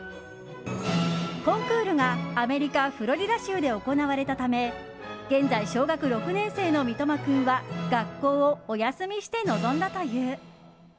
コンクールが、アメリカフロリダ州で行われたため現在小学６年生の三苫君は学校をお休みして臨んだという。